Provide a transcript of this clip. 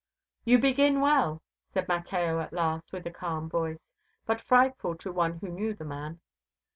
"You begin well," said Mateo at last with a calm voice, but frightful to one who knew the man.